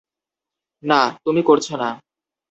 না, তুমি করছ না।